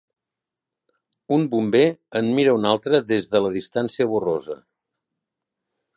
Un bomber en mira un altre des de la distància borrosa.